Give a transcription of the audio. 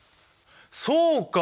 そうか！